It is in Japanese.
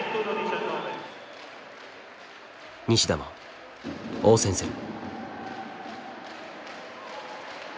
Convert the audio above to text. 西田も応戦する。